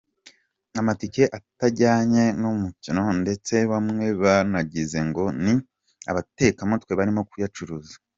Amatike atajyanye n'umukino, ndetse bamwe banagize ngo ni abatekamutwe barimo kuyacuruza.